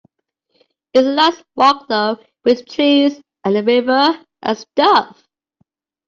It's a nice walk though, with trees and a river and stuff.